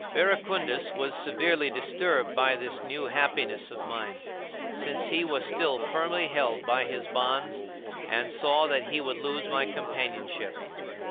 Verecundus was severely disturbed by this new happiness of mine, since he was still firmly held by his bonds and saw that he would lose my companionship.